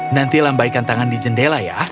nanti lambaikan tangan di jendela ya